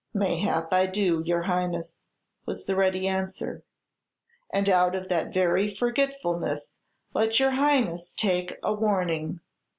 "Mayhap I do, your Highness," was the ready answer; "and out of that very forgetfulness let your Highness take a warning.